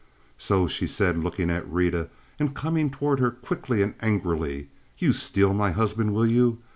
"So," she said, looking at Rita, and coming toward her quickly and angrily, "you'll steal my husband, will you?